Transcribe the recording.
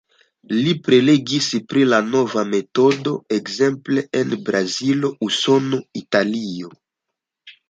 Li prelegis pri la nova metodo ekzemple en Brazilo, Usono, Italio.